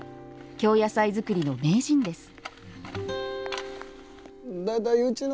京野菜作りの名人です。